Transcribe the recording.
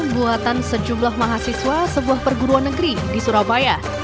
buatan sejumlah mahasiswa sebuah perguruan negeri di surabaya